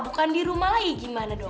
bukan di rumah lagi gimana dok